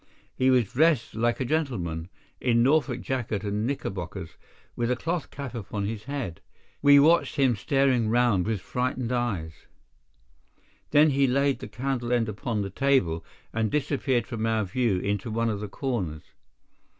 He was dressed like a gentleman, in Norfolk jacket and knickerbockers, with a cloth cap upon his head. We watched him staring round with frightened eyes. Then he laid the candle end upon the table and disappeared from our view into one of the corners.